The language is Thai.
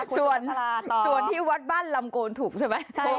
มีตัวเลขซ้ำเยอะนะอ่าส่วนที่วัดบ้านลำโกนถูกใช่ไหม